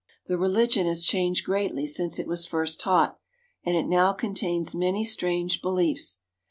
The religion has changed greatly since it was first taught, and it now contains many strange beliefs.